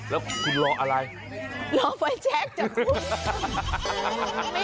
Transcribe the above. แล้วคุณรออะไรรอไฟแชคจากคุณ